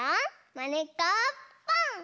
「まねっこぽん！」。